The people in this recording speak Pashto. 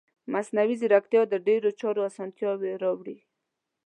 مصنوعي ځیرکتیا د ډیرو چارو اسانتیا راوړي.